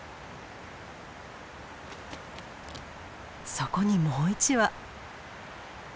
そこにもう１羽。